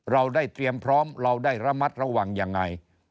เราได้เตรียมพร้อมเราได้ระมัดระวังยังไง